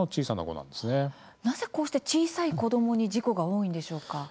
なぜこうした小さい子どもに事故が多いんでしょうか。